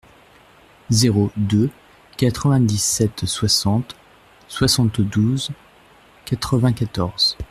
Zéro deux quatre-vingt-dix-sept soixante soixante-douze quatre-vingt-quatorze.